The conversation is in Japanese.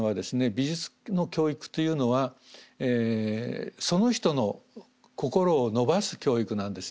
美術の教育というのはその人の心を伸ばす教育なんですね。